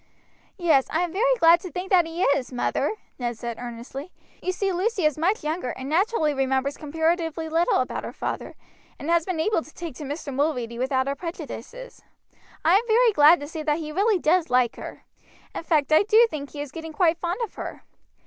"Yes, I am very glad to think that he is, mother," Ned said earnestly. "You see Lucy is much younger, and naturally remembers comparatively little about her father, and has been able to take to Mr. Mulready without our prejudices. I am very glad to see that he really does like her in fact I do think he is getting quite fond of her.